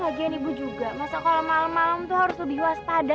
bahagian ibu juga masa kalau malam malam itu harus lebih waspada